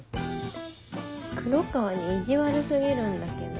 黒川に意地悪過ぎるんだけど。